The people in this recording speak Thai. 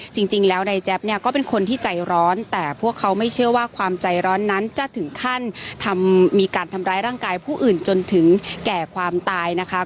จริงแล้วนายแจ๊บเนี่ยก็เป็นคนที่ใจร้อนแต่พวกเขาไม่เชื่อว่าความใจร้อนนั้นจะถึงขั้นมีการทำร้ายร่างกายผู้อื่นจนถึงแก่ความตายนะคะ